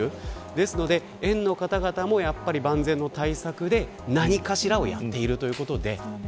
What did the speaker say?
ですので、園の方々も万全の対策で何かしらをやっているということです。